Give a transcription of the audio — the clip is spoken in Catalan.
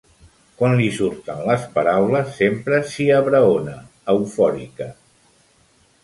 Quan li surten les paraules sempre s'hi abraona, eufòrica.